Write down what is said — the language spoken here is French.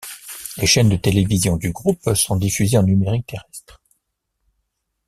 Les chaînes de télévision du groupe sont diffusées en numérique terrestre.